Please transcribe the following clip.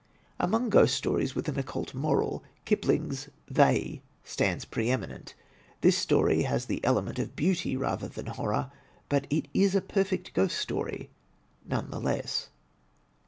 Among Ghost Stories with an occult moral, Kipling's "They" stands pre eminent. This story has the element of beauty rather than horror, but it is a perfect Ghost Story none the less.